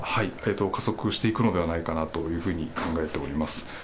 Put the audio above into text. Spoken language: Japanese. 加速していくのではないかなというふうに考えております。